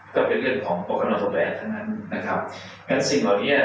และก็เป็นเรื่องของโปรโกนออสบาอสทั้งนั้น